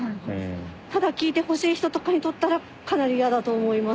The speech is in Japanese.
ただ聞いてほしい人とかにとったらかなり嫌だと思います。